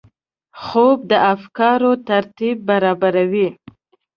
خوب د افکارو ترتیب برابروي